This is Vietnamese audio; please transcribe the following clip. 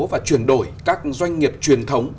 và chuyển đổi các doanh nghiệp truyền thống